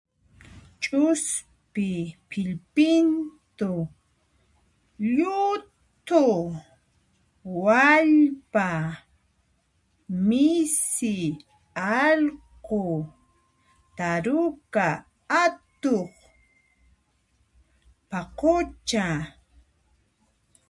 Ch'uspi, pilpintu, lluthu, wallpa, misi, allqu, taruka, atuq, paqucha.